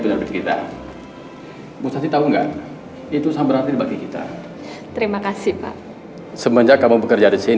aku harus ketemu sama dia